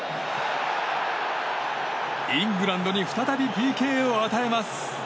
イングランドに再びＰＫを与えます。